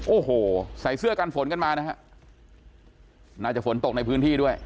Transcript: โอ้โหใส่เสื้อกันฝนกันมานะฮะน่าจะฝนตกในพื้นที่ด้วย